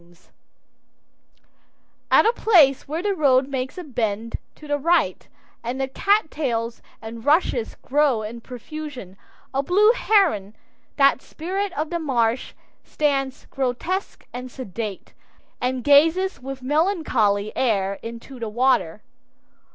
[Illustration: IT CLIMBS THE HILL FOR A BROADER VIEW] At a place where the road makes a bend to the right, and the cat tails and rushes grow in profusion, a blue heron, that spirit of the marsh, stands grotesque and sedate, and gazes with melancholy air into the water.